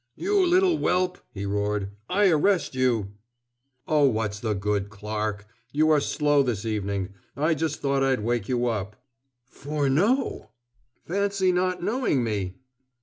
"You little whelp!" he roared. "I arrest you " "Oh, what's the good, Clarke? You are slow this evening. I just thought I'd wake you up." "Furneaux!" "Fancy not knowing me!"